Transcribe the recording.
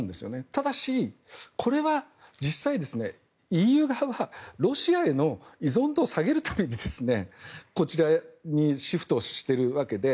ただし、これは実際ＥＵ側はロシアへの依存度を下げるためにこちらにシフトしているわけで